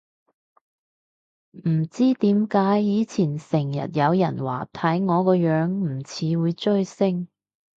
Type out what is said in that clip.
唔知點解以前成日有人話睇我個樣唔似會追星